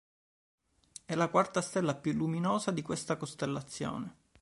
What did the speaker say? È la quarta stella più luminosa di questa costellazione.